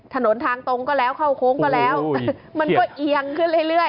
ถนนทางตรงก็แล้วเข้าโค้งก็แล้วมันก็เอียงขึ้นเรื่อย